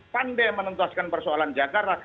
pandai menentuaskan persoalan jakarta